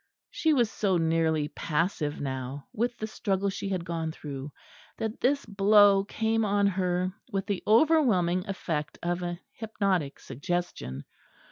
She was so nearly passive now, with the struggle she had gone through, that this blow came on her with the overwhelming effect of an hypnotic suggestion.